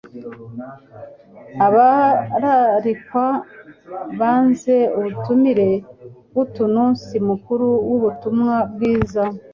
Abararikwa banze ubutumire bw'tununsi mukuru w'ubutumwa bwiza,